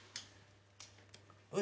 おい！